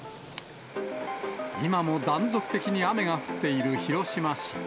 今も断続的に雨が降っている広島市。